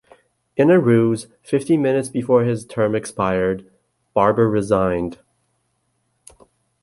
In a ruse, fifteen minutes before his term expired, Barber resigned.